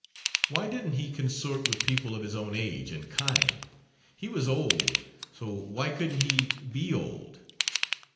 Why didn't he consort with people of his own age and kind? He was old; so why couldn't he be old?